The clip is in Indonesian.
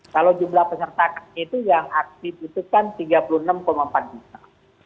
kalau jumlah peserta kami itu yang aktif itu kan tiga puluh enam empat juta